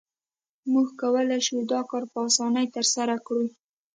موږ کولای شو دا کار په اسانۍ ترسره کړو